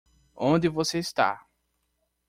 Onde você está?